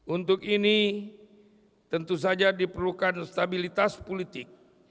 untuk ini tentu saja diperlukan stabilitas politik